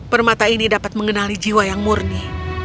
permata ini dapat mengenali jiwa yang murni